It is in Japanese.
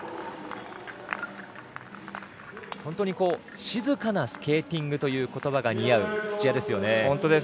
本当に静かなスケーティングという、ことばが似合う土屋ですよね。